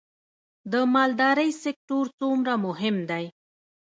د مالدارۍ سکتور څومره مهم دی؟